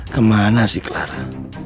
kemana sih clara